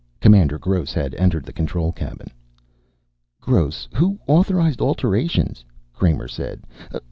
Commander Gross had entered the control cabin. "Gross, who authorized alterations?" Kramer said.